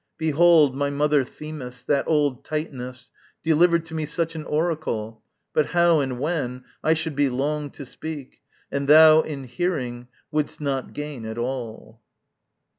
Behold, My mother Themis, that old Titaness, Delivered to me such an oracle, But how and when, I should be long to speak, And thou, in hearing, wouldst not gain at all.